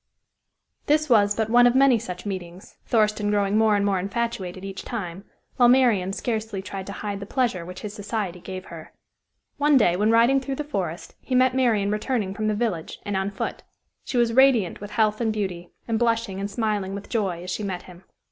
This was but one of many such meetings, Thurston growing more and more infatuated each time, while Marian scarcely tried to hide the pleasure which his society gave her. One day when riding through the forest he met Marian returning from the village and on foot. She was radiant with health and beauty, and blushing and smiling with joy as she met him.